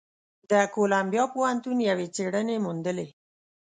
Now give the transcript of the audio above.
د کولمبیا پوهنتون یوې څېړنې موندلې،